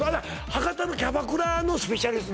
博多のキャバクラのスペシャリスト